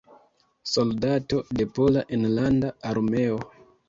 Soldato de Pola Enlanda Armeo.